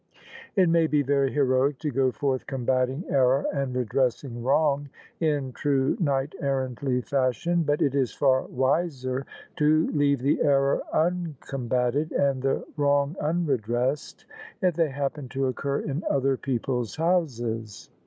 It may be very heroic to go forth combating error and redressing wrong, in true knight errantly fashion: but it is far wiser to leave the error uncombated and the wrong unredressed, if they happen to occur in other people's houses.